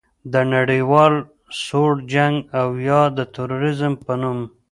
د نړیوال سوړ جنګ او یا د تروریزم په نوم